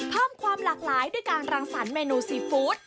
เพิ่มความหลากหลายด้วยการรังสรรคเมนูซีฟู้ด